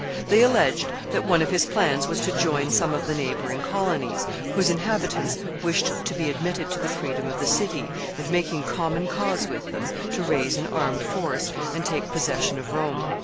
They alleged that one of his plans was to join some of the neighboring colonies, whose inhabitants wished to be admitted to the freedom of the city, and, making common cause with them, to raise an armed force and take possession of Rome.